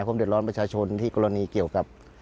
เดือดร้อนประชาชนที่กรณีเกี่ยวกับ